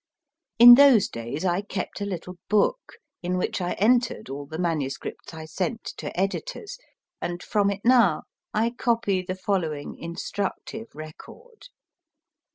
In those days I kept a little book, in which I entered all the manuscripts I sent to editors, and from it now I copy the following instructive record.